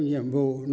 nhiệm vụ năm năm